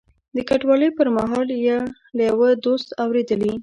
د کډوالۍ پر مهال له یوه دوست اورېدلي.